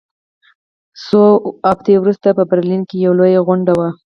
څو اونۍ وروسته په برلین کې یوه لویه غونډه وه